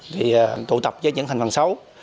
thì tụ tập với những hành phần xấu